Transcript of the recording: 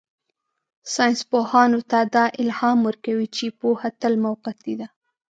ساینسپوهانو ته دا الهام ورکوي چې پوهه تل موقتي ده.